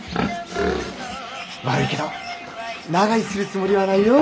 悪いけど長居するつもりはないよ。